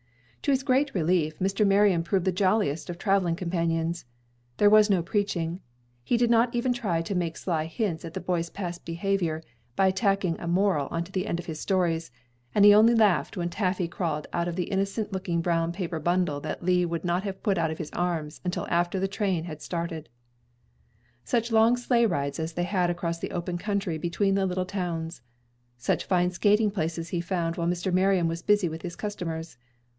To his great relief, Mr. Marion proved the jolliest of traveling companions. There was no preaching. He did not even try to make sly hints at the boy's past behavior by tacking a moral on to the end of his stories, and he only laughed when Taffy crawled out of the innocent looking brown paper bundle that Lee would not put out of his arms until after the train had started. Such long sleigh rides as they had across the open country between little towns! Such fine skating places he found while Mr. Marion was busy with his customers!